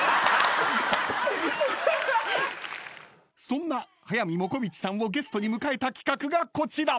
［そんな速水もこみちさんをゲストに迎えた企画がこちら］